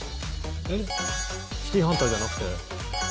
「シティーハンター」じゃなくて？